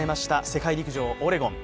世界陸上オレゴン。